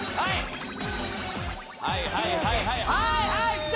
はいはいはいはいはいきた！